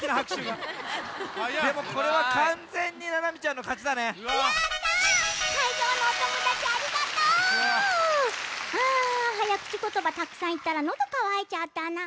うんはやくちことばたくさんいったらのどかわいちゃったな。